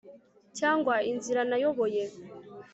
cyangwa inzira nayoboye